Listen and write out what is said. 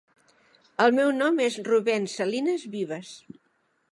El meu nom és Rubén Salines Vives.